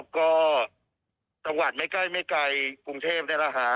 อ๋อก็ตะวันไม่ใกล้ไม่ไกลกรุงเทพฯเนี่ยแหละฮะ